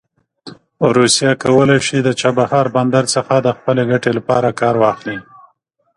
روسیه کولی شي د چابهار بندر څخه د خپلې ګټې لپاره کار واخلي.